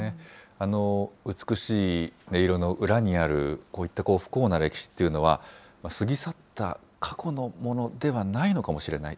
あの美しい音色の裏にあるこういった不幸な歴史っていうのは、過ぎ去った過去のものではないのかもしれない。